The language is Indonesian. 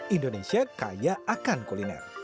indonesia kaya akan kuliner